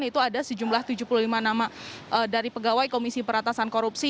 yaitu ada sejumlah tujuh puluh lima nama dari pegawai komisi peratasan korupsi